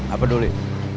apa dulu ya